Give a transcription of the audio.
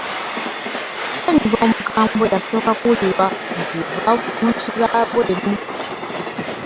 Ssenyiga omukambwe yasooka kuwulirwa nti yava mu nsi zebweru.